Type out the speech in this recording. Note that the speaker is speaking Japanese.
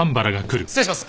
失礼します。